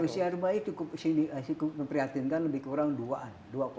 usia rumah itu cukup memprihatinkan lebih kurang dua an